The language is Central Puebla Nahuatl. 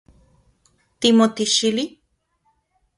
¿Timotixili?